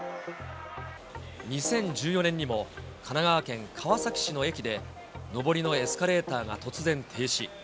２０１４年にも神奈川県川崎市の駅で、上りのエスカレーターが突然停止。